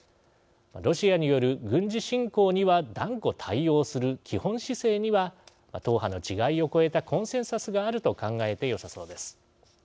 ロシアによる軍事侵攻には断固対応する基本姿勢には党派の違いを超えたコンセンサスがあると考えてよさそうです。